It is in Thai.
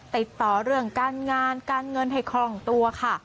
ติดต่อเรื่องการงานการเงินให้คล่องตัวค่ะ